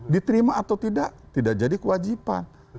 diterima atau tidak tidak jadi kewajiban